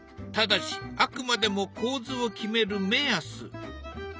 ただしあくまでも構図を決める目安。